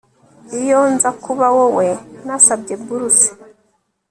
Iyo nza kuba wowe nasabye buruse